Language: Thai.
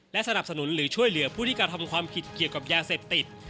และสนับสนุนหรือช่วยเหลือผู้ที่กระทำความผิดเกี่ยวกับยาเสพติด